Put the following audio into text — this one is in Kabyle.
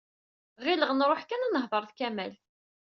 Ɣileɣ nruḥ kan ad nehder d Kamal.